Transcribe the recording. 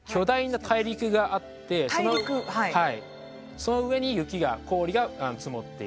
その上に雪が氷が積もっている。